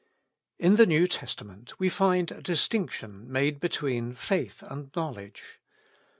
IN the New Testament we find a distinction made between faith and knowledge.